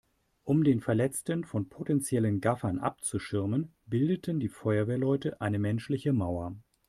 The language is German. Um den Verletzten von potenziellen Gaffern abzuschirmen, bildeten die Feuerwehrleute eine menschliche Mauer.